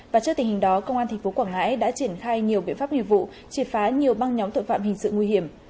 và trước tình hình đó công an tp quảng ngãi đã triển khai nhiều biện pháp nghiệp vụ triệt phá nhiều băng nhóm tội phạm hình sự nguy hiểm